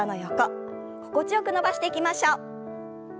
心地よく伸ばしていきましょう。